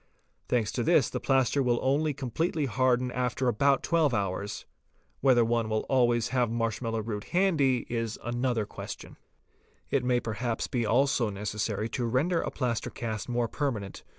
Thanks to this the plaster will only completely harden after about 12 hours; whether one will always have marsh mallow root handy, is another question , It may perhaps be also necessary to render a plaster cast more per manent, ¢.